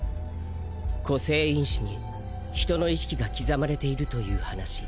個性因子に人の意識が刻まれているという話。